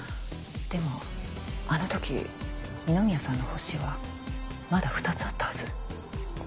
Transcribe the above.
でもあの時二宮さんの星はまだ２つあったはず。